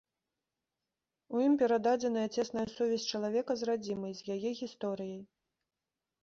У ім перададзеная цесная сувязь чалавека з радзімай, з яе гісторыяй.